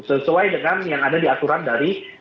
sesuai dengan yang ada di aturan dari